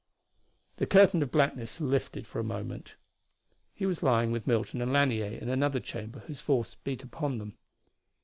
The curtain of blackness lifted for a moment. He was lying with Milton and Lanier in another chamber whose force beat upon them.